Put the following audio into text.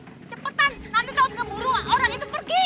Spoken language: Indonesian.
cepetan nanti tahu tiga burung orang itu pergi